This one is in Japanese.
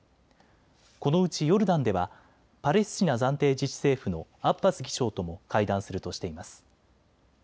このうちヨルダンではパレスチナ暫定自治政府のアッバス議長とも会談するとしています。